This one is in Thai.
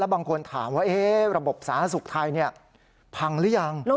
บางคนถามว่าระบบสาธารณสุขไทยพังหรือยัง